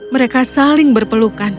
mereka saling berpelukan